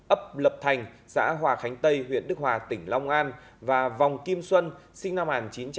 ấp lập thành xã hòa khánh tây huyện đức hòa tỉnh long an và vòng kim xuân sinh năm một nghìn chín trăm tám mươi